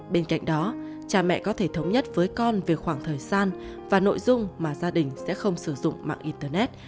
bên cạnh đó cha mẹ có thể thống nhất với con về khoảng thời gian và nội dung mà gia đình sẽ không sử dụng mạng internet